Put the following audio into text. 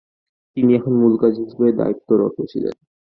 তিনি তখন মুলকাজী হিসেবে দায়িত্বরত ছিলেন।